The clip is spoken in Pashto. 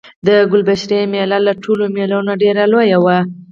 د کلشپورې مېله له ټولو مېلو نه ډېره لویه وه.